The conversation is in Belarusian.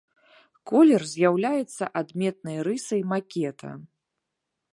Колер з'яўляецца адметнай рысай макета.